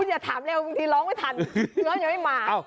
อย่าถามเร็วบางทีร้องไม่ทันเนื้อยังไม่มา